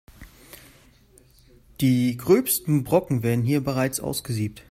Die gröbsten Brocken werden hier bereits ausgesiebt.